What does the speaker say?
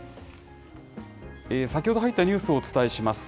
先ほど入ったニュースをお伝えします。